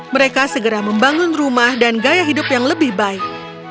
mereka segera membangun rumah dan gaya hidup yang lebih baik